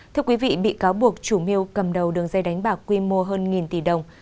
thưa quý vị bị cáo buộc chủ mưu cầm đầu đường dây đánh bạc quy mô hơn nghìn tỷ đồng